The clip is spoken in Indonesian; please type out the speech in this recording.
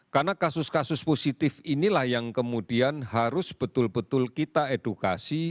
karena kasus kasus positif inilah yang kemudian harus betul betul kita edukasi